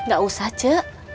gak usah ce